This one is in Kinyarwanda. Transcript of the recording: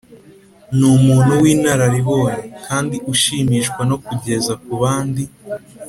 ni umuntu w’inararibonye, kandi ushimishwa no kugeza ku bandi